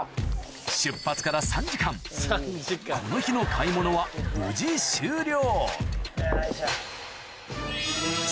出発からこの日の買い物は無事終了